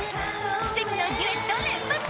奇跡のデュエット連発